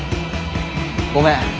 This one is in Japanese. ごめん。